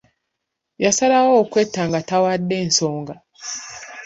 Yasalawo okwetta nga tawadde nsonga.